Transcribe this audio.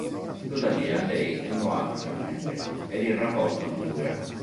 Tuttavia lei non lo ama veramente ed il rapporto non dura.